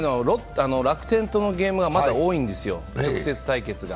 楽天とのゲームがまた多いんですよ、直接対決が。